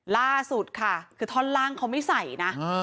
ล่าสุดค่ะคือท่อนล่างเขาไม่ใส่นะ